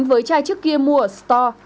với chai trước kia mua ở store